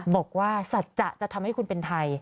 บอกว่าสัจจะจะทำให้คุณเป็นไทย